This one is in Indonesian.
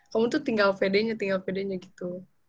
kamu tuh tinggal pedenya tinggal pedenya gitu